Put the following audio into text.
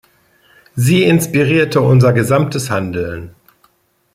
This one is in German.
Sie inspirierte unser gesamtes Handeln.